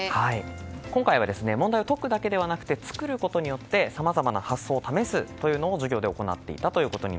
今回は問題を解くだけではなくて作ることによってさまざまな発想を試すというのも授業で行っていました。